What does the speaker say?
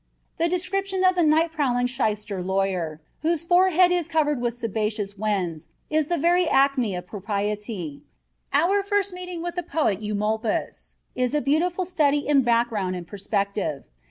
The description of the night prowling shyster lawyer, whose forehead is covered with sebaceous wens, is the very acme of propriety; our first meeting; with the poet Eumolpus is a beautiful study in background and perspective.